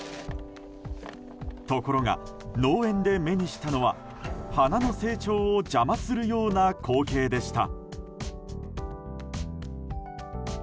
ところが、農園で目にしたのは花の成長を邪魔するような光景でした。